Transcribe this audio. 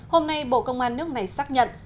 hôm nay bộ công an nước này xác nhận